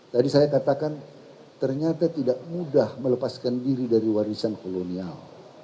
tadi saya katakan ternyata tidak mudah melepaskan diri dari warisan kolonial